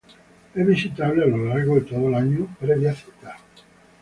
Es visitable a lo largo de todo el año previa cita.